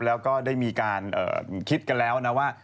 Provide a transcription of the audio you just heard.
แล้วก็ได้มีการคิดกันแล้วนะว่า